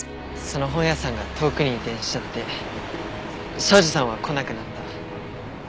その本屋さんが遠くに移転しちゃって庄司さんは来なくなった。